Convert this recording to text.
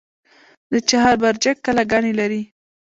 د چهار برجک کلاګانې لري